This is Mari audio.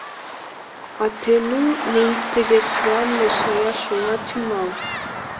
А теНу, ме икте-весылан мешаяш она тӱҥал.